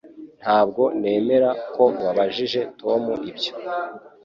Ntabwo nemera ko wabajije Tom ibyo